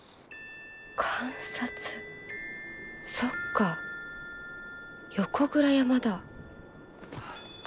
そっか横倉山だ。